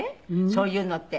そういうのって。